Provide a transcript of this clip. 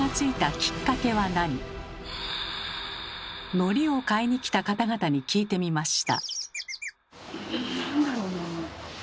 のりを買いに来た方々に聞いてみました。